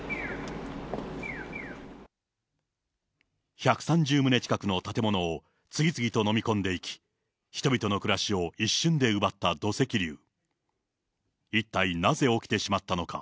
１３０棟近くの建物を次々と飲み込んでいき、人々の暮らしを一瞬で奪った一体なぜ起きてしまったのか。